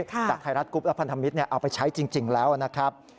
ไทยรัฐกรุ๊ปและพันธมิตรเอาไปใช้จริงแล้วนะครับ